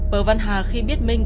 pờ văn hà khi biết minh